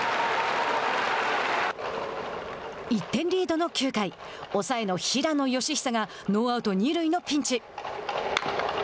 １点リードの９回抑えの平野佳寿がノーアウト、二塁のピンチ。